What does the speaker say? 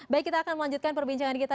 baik kita akan melanjutkan perbincangan kita